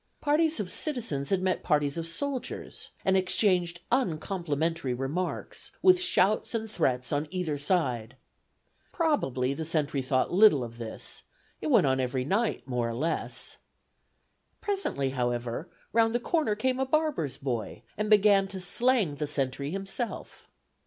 Parties of citizens had met parties of soldiers, and exchanged uncomplimentary remarks, with shouts and threats on either side. Probably the sentry thought little of this: it went on every night, more or less. Presently, however, round the corner came a barber's boy, and began to "slang" the sentry himself.